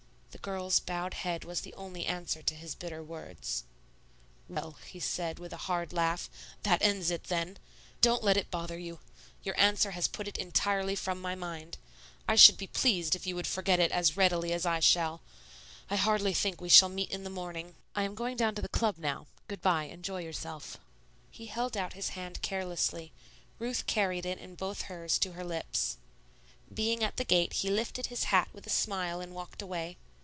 The girl's bowed head was the only answer to his bitter words. "Well," he said, with a hard laugh, "that ends it, then. Don't let it bother you. Your answer has put it entirely from my mind. I should be pleased if you would forget it as readily as I shall. I hardly think we shall meet in the morning. I am going down to the club now. Good by; enjoy yourself." He held out his hand carelessly; Ruth carried it in both hers to her lips. Being at the gate, he lifted his hat with a smile and walked away.